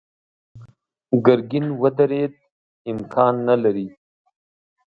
ګرګين ودرېد: امکان نه لري.